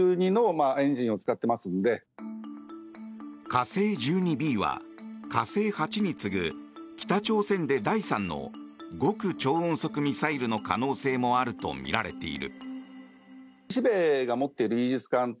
火星１２Ｂは火星８に次ぐ北朝鮮で第３の極超音速ミサイルの可能性もあるとみられている。